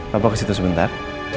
papa kesitu sebentar